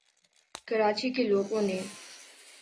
کراچی کے لوگوں نے